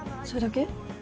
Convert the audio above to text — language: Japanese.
それだけ？